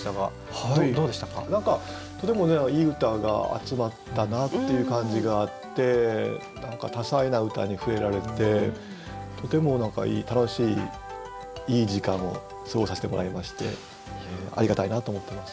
何かとてもいい歌が集まったなっていう感じがあって何か多彩な歌に触れられてとても楽しいいい時間を過ごさせてもらいましてありがたいなと思ってます。